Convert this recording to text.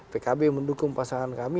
pkb mendukung pasangan kami